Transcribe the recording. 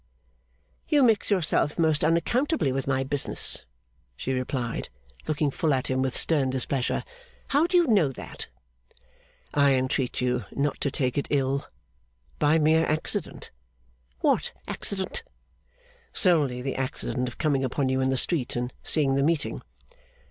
'You mix yourself most unaccountably with my business,' she replied, looking full at him with stern displeasure. 'How do you know that?' 'I entreat you not to take it ill. By mere accident.' 'What accident?' 'Solely the accident of coming upon you in the street and seeing the meeting.